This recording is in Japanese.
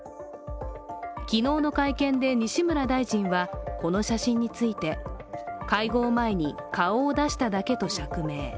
昨日の会見で西村大臣はこの写真について、会合前に顔を出しただけと釈明。